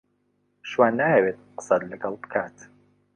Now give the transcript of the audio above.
شوان نایەوێت قسەت لەگەڵ بکات.